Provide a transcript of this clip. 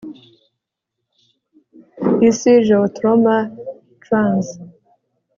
isi geotrauma trans